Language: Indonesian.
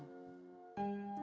sudahkah kita memahami ini